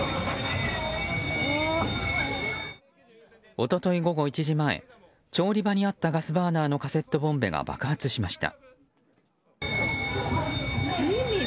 一昨日午後１時前調理場にあったガスバーナーのカセットボンベが爆発しました。